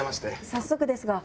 早速ですが。